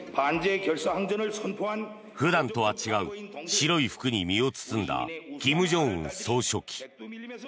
普段とは違う白い服に身を包んだ金正恩総書記。